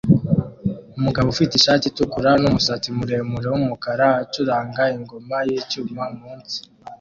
Umugabo ufite ishati itukura numusatsi muremure wumukara acuranga ingoma yicyuma munsi